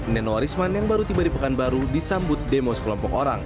nenowarisman yang baru tiba di pekanbaru disambut demo sekelompok orang